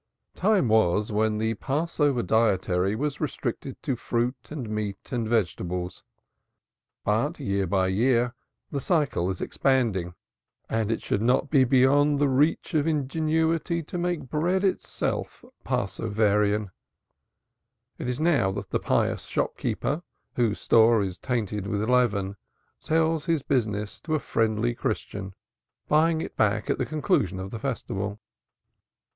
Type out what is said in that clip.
Time was when the Passover dietary was restricted to fruit and meat and vegetables, but year by year the circle is expanding, and it should not be beyond the reach of ingenuity to make bread itself Passoverian. It is now that the pious shopkeeper whose store is tainted with leaven sells his business to a friendly Christian, buying it back at the conclusion of the festival.